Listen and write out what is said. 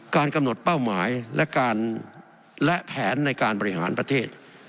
การกำหนดเป้าหมายและแผนในการบริหารประเทศ